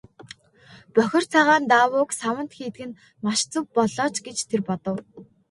Бохир цагаан даавууг саванд хийдэг нь маш зөв боллоо ч гэж тэр бодов.